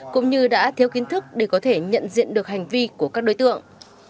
cũng như đã thiếu kiến thức để có thể nhận diện được hành vi của các đối tượng